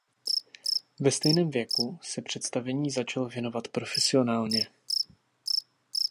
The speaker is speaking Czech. Ve stejném věku se představení začal věnovat profesionálně.